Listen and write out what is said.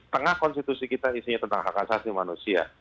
tengah konstitusi kita isinya tentang hak asasi manusia